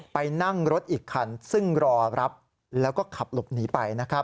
ไปนั่งรถอีกคันซึ่งรอรับแล้วก็ขับหลบหนีไปนะครับ